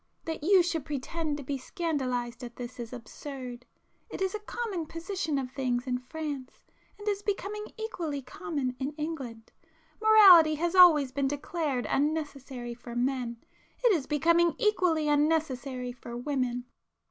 That you should pretend to be scandalized at this is absurd; it is a common position of things in France, and is becoming equally common in England. Morality has always been declared unnecessary for men,—it is becoming equally unnecessary for women!"